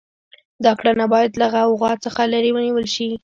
دا کړنه باید له غوغا څخه لرې ونیول شي.